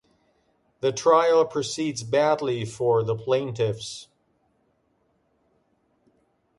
The trial proceeds badly for the plaintiffs.